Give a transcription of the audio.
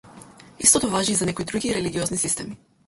Истото важи и за некои други религиозни системи.